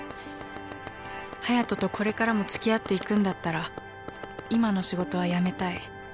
隼斗とこれからもつきあっていくんだったら今の仕事は辞めたい。